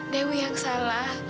dewi yang salah